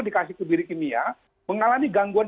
dikasih kebiri kimia mengalami gangguan